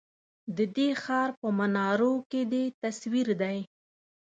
ددې ښار په منارو کی دی تصوير دی